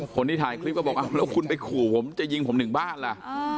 คนที่ถ่ายคลิปก็บอกแล้วคุณไปขู่ผมจะยิงผมถึงบ้านล่ะ